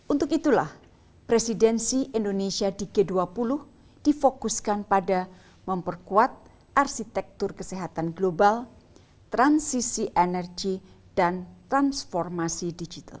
untuk itulah presidensi indonesia di g dua puluh difokuskan pada memperkuat arsitektur kesehatan global transisi energi dan transformasi digital